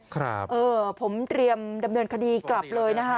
ครับเออผมเตรียมดำเนินคดีกลับเลยนะคะ